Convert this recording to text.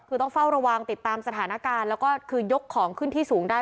คือต้องเฝ้าระวังติดตามสถานการณ์แล้วก็คือยกของขึ้นที่สูงได้